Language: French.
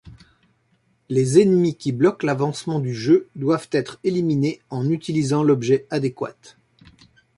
Les ennemis qui bloquent l'avancement du jeu doivent être éliminés en utilisant l'objet adéquat.